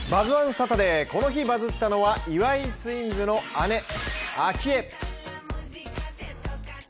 サタデー、この日バズったのは岩井ツインズの姉・明愛。